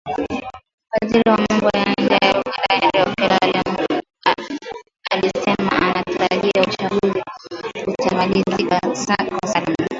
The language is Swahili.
Waziri wa Mambo ya Nje wa Uganda Henry Okello Oryem alisema anatarajia uchaguzi utamalizika kwa salama